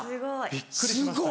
びっくりしました。